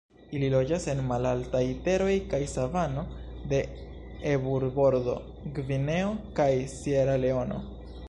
Ili loĝas en malaltaj teroj kaj savano de Eburbordo, Gvineo kaj Sieraleono.